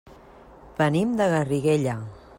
Venim de Garriguella.